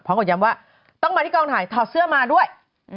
เพราะอย่างกว่าต้องมาที่กลางถ่ายถอดเสื้อมาด้วย